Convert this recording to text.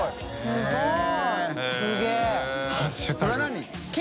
すごい！